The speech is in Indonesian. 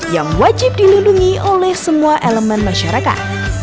yang wajib dilindungi oleh semua elemen masyarakat